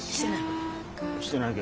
してない？